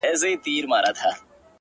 کور مي ورانېدی ورته کتله مي!!